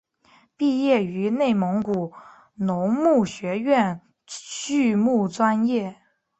毕业于内蒙古农牧学院畜牧专业。